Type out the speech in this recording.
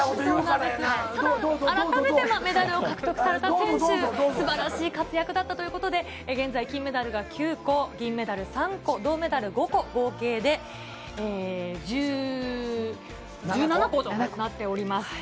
改めてのメダルを獲得された選手、すばらしい活躍だったということで、現在、金メダルが９個、銀メダル３個、銅メダル５個、合計で１７個となっております。